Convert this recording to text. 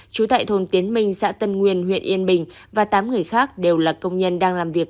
trú tại thôn tiến minh xã tân nguyên huyện yên bình và tám người khác đều là công nhân đang làm việc